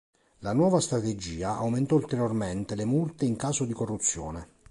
La nuova strategia aumentò ulteriormente le multe in caso di corruzione.